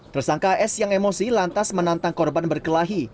tersangka as yang emosi lantas menantang korban berkelahi